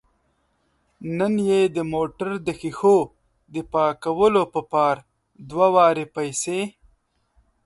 نن یې د موټر د ښیښو د پاکولو په پار دوه واره پیسې